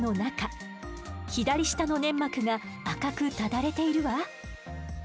左下の粘膜が赤くただれているわ。